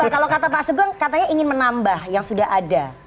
kalau kata pak sugeng katanya ingin menambah yang sudah ada